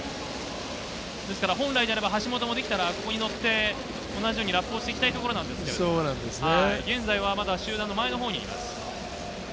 本来であれば橋本もここにのって同じようにラップしていきたいところなんですけど、現在まだ集団の前のほうにいます。